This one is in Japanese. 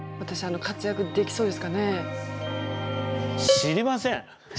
知りません！